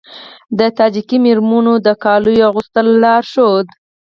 د تاجیکي میرمنو د کالیو اغوستلو لارښود